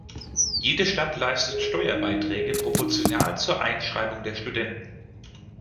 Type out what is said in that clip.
Jede Stadt leistet Steuer-Beiträge proportional zur Einschreibung der Studenten.